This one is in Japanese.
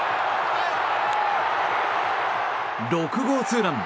６号ツーラン！